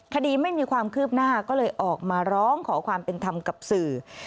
คดีไม่มีความคืบหน้าก็เลยออกมาร้องขอความเป็นธรรมกับสื่อ